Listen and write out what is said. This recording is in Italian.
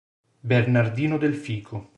Bernardino Delfico.